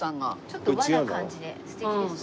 ちょっと和な感じで素敵ですね。